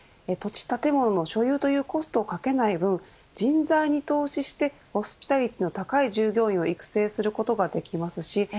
土地建物の所有というコストをかけない分人材に投資してホスピタリティーの高い従業員を育成することができます。